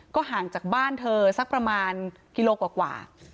ห่างจากบ้านเธอสักประมาณกิโลกว่า